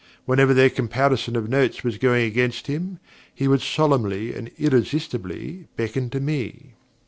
Whenever their comparison of notes was going against him, he would solemnly and irresistibly beckon to me.